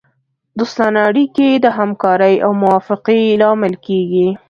دوستانه اړیکې د همکارۍ او موافقې لامل کیږي